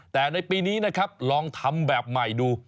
แต่ในปีนี้นะครับลองทำแบบใหม่ดู